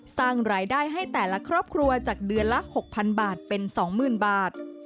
สร้างรายได้ให้แต่ละครอบครัวจากเดือนละ๖๐๐๐บาทเป็น๒๐๐๐บาท